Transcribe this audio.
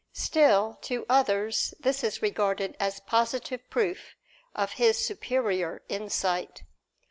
Still, to others this is regarded as positive proof of his superior insight.